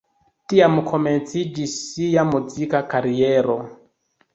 Tiam komenciĝis sia muzika kariero.